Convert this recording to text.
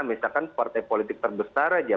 misalkan partai politik terbesar aja